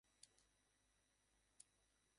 এতে তার দূর্বল অধিনায়কত্বের প্রমাণ মিলে।